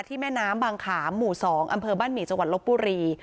แม่น้ำบางขามหมู่๒อำเภอบ้านหมี่จังหวัดลบบุรี